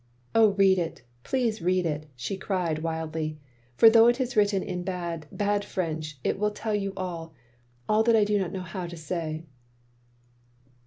" Oh, read it, please read it, " she cried wildly, "for though it is written in bad, bad French, It will tell you all — ^all that I do not know how to say."